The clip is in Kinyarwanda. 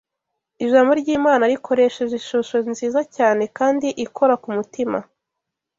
Ijambo ry’Imana rikoresheje ishusho nziza cyane kandi ikora ku mutima